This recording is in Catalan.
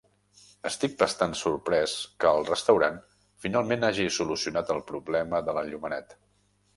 Estic bastant sorprès que el restaurant finalment hagi solucionat el problema de l'enllumenat.